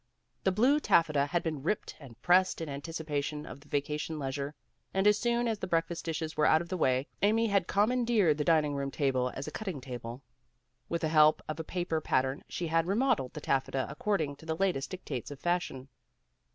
The blue taffeta had been ripped and pressed in antici pation of the vacation leisure, and as soon as the breakfast dishes were out of the way Amy had commandeered the dining room table as a cutting table. "With the help of a paper pattern she had remodeled the taffeta ac cording to the latest dictates of fashion.